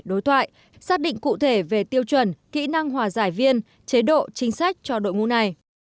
đối thoại xác định cụ thể về tiêu chuẩn kỹ năng hòa giải viên chế độ chính sách cho đội ngũ này